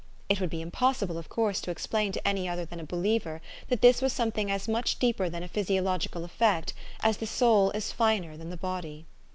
It would be impossible, of course, to explain to any other than a believer that this was something as much deeper than a physiolo gical effect as the soul is finer than the body.